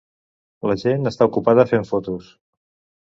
La gent està ocupada fent fotos.